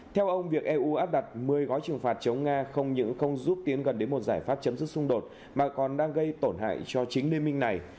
theo ông việc eu áp đặt một mươi gói trừng phạt chống nga không những không giúp tiến gần đến một giải pháp chấm dứt xung đột mà còn đang gây tổn hại cho chính liên minh này